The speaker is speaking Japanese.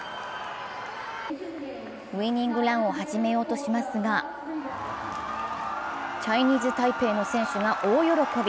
ウイニングランを始めようとしますがチャイニーズ・タイペイの選手が大喜び。